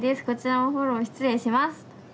こちらもフォロー失礼します」。